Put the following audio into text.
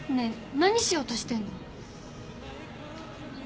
何しようとしてんの？